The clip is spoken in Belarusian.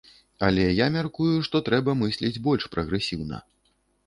Але я мяркую, што трэба мысліць больш прагрэсіўна.